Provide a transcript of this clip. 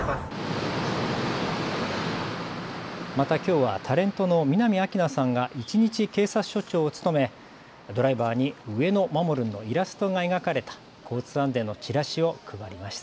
また、きょうはタレントの南明奈さんが一日警察署長を務めドライバーにうえのまもるんのイラストが描かれた交通安全のチラシを配りました。